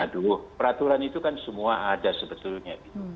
aduh peraturan itu kan semua ada sebetulnya